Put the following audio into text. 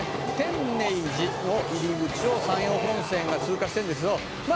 「天寧寺の入り口を山陽本線が通過してるんですけどま